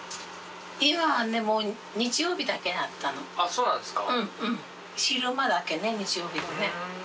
そうなんですか。